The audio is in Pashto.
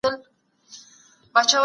د محرمیت سرغړونه قانوني جرم دی.